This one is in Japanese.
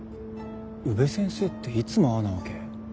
宇部先生っていつもああなわけ？